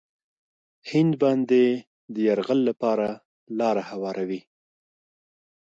هند باندې د یرغل لپاره لاره هواروي.